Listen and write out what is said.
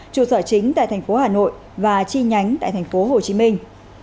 trụ sở chính tại tp hà nội và chi nhánh tại tp hồ chí minh